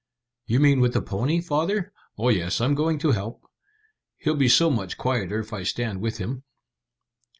"You mean with the pony, father? Oh yes, I'm going to help. He'll be so much quieter if I stand with him."